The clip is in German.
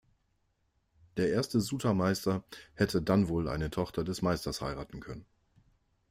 Der erste Sutermeister hätte dann wohl eine Tochter des Meisters heiraten können.